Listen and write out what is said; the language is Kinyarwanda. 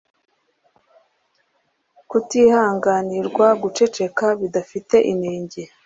kutihanganirwa guceceka bidafite inenge